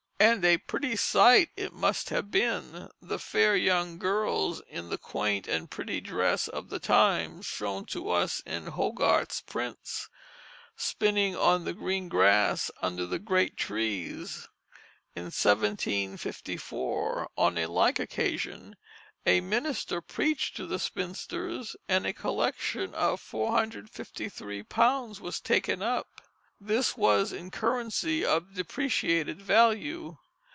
And a pretty sight it must have been: the fair young girls in the quaint and pretty dress of the times, shown to us in Hogarth's prints, spinning on the green grass under the great trees. In 1754, on a like occasion, a minister preached to the "spinsters," and a collection of £453 was taken up. This was in currency of depreciated value.